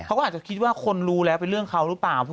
เขาก็อาจจะคิดว่าคนรู้แล้วเป็นเรื่องเขาหรือเปล่า